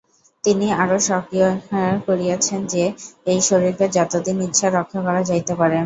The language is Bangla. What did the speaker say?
তিনি আরও স্বীকার করিয়াছেন যে, এই শরীরকে যতদিন ইচ্ছা রক্ষা করা যাইতে পারে।